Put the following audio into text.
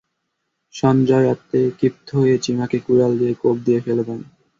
সঞ্জয় এতে ক্ষিপ্ত হয়ে চিমাকে কুড়াল দিয়ে কোপ দিয়ে ফেলে দেন।